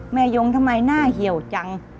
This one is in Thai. ยงทำไมหน้าเหี่ยวจัง